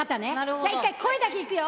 じゃあ、一回、声だけいくよ。